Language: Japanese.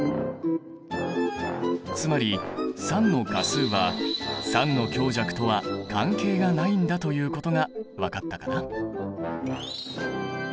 つまり酸の価数は酸の強弱とは関係がないんだということが分かったかな？